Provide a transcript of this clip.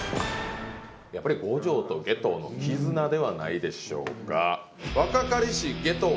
やっぱり五条と夏油の絆ではないでしょうか。